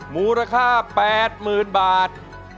มูลค่า๘๐๐๐บาท